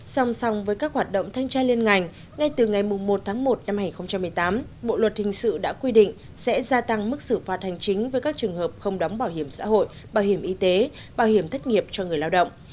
song song với các hoạt động thanh tra liên ngành ngay từ ngày một tháng một năm hai nghìn một mươi tám bộ luật hình sự đã quy định sẽ gia tăng mức xử phạt hành chính với các trường hợp không đóng bảo hiểm xã hội bảo hiểm y tế bảo hiểm thất nghiệp cho người lao động